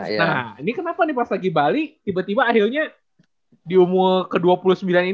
nah ini kenapa nih pas lagi balik tiba tiba akhirnya di umur ke dua puluh sembilan ini